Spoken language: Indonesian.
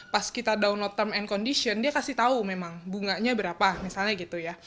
pas kita download term and condition dia kasih tahu memang bunganya berapa misalnya gitu ya